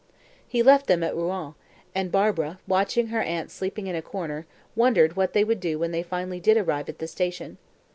He left them at Rouen, and Barbara, watching her aunt sleeping in a corner, wondered what they would do when they finally did arrive at the station.